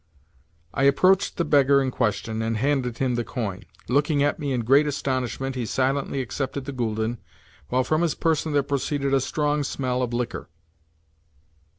I approached the beggar in question, and handed him the coin. Looking at me in great astonishment, he silently accepted the gülden, while from his person there proceeded a strong smell of liquor.